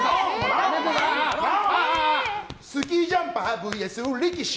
スキージャンパーＶＳ力士！